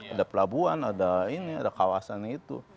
ada pelabuhan ada ini ada kawasan itu